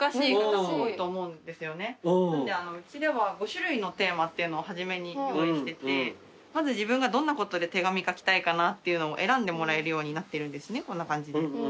なのでうちでは５種類のテーマっていうのを初めに用意しててまず自分がどんなことで手紙書きたいかなっていうのを選んでもらえるようになってるんですねこんな感じで。